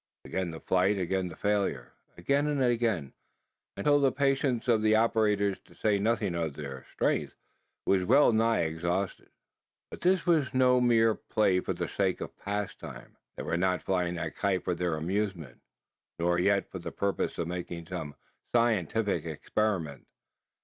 Again the flight again the failure again and again; until the patience of the operators to say nothing of their strength was well nigh exhausted. But it was no mere play for the sake of pastime. They were not flying that kite for their amusement; nor yet for the purpose of making some scientific experiment.